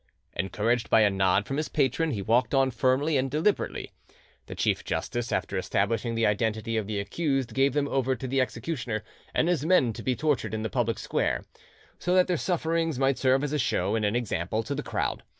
Encouraged by a nod from his patron, he walked on firmly and deliberately. The chief justice, after establishing the identity of the accused, gave them over to the executioner and his men to be tortured in the public square, so that their sufferings might serve as a show and an example to the crowd.